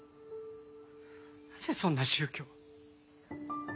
なぜそんな宗教を。